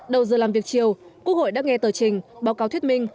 đầu giờ làm việc chiều quốc hội đã nghe tờ trình báo cáo thuyết minh